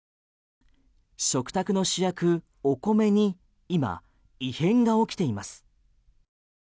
食卓の主役、お米に今、異変が起きています。